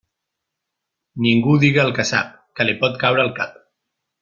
Ningú diga el que sap, que li pot caure el cap.